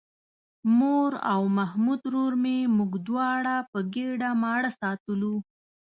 مور او محمود ورور مې موږ دواړه په ګېډه ماړه ساتلو.